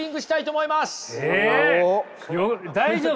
大丈夫？